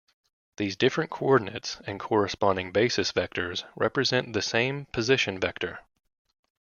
These different coordinates and corresponding basis vectors represent the same position vector.